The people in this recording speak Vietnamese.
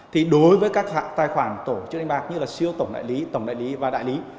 thì đối với các tài khoản tổ chức đánh bạc như là siêu tổng đại lý tổng đại lý và đại lý